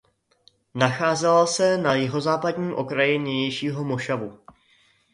Nacházela se na jihozápadním okraji nynějšího mošavu.